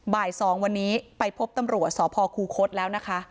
บ่าย๒วันนี้ไปพบตำรวจสพคูคศแล้วนะคะ